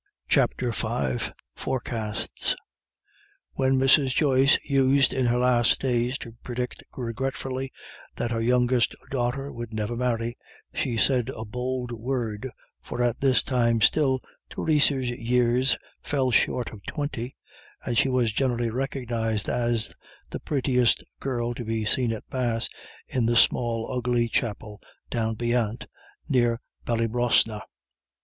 CHAPTER V FORECASTS When Mrs. Joyce used in her last days to predict regretfully that her youngest daughter would never marry, she said a bold word, for at this time still Theresa's years fell short of twenty, and she was generally recognised as the prettiest girl to be seen at Mass in the small, ugly chapel down beyant near Ballybrosna.